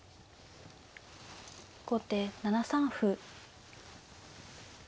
後手７三歩。